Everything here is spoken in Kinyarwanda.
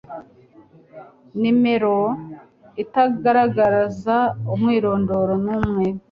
nimero itagaragaza umwirondoro numwe